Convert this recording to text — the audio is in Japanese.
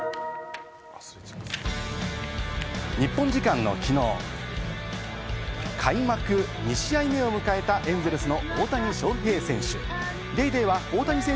日本時間の昨日、開幕２試合目を迎えたエンゼルスの大谷翔平選手。